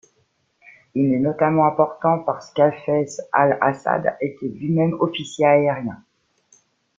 Il est notamment important parce qu'Hafez al-Assad était lui-même officier aérien.